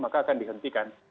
maka akan dihentikan